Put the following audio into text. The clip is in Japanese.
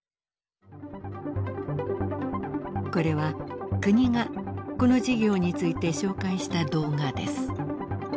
これは国がこの事業について紹介した動画です。